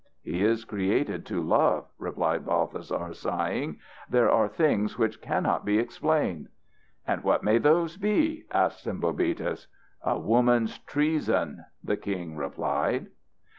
"He is created to love," replied Balthasar sighing. "There are things which cannot be explained." "And what may those be?" asked Sembobitis. "A woman's treason," the king replied.